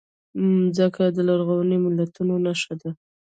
مځکه د لرغونو ملتونو نښه ده.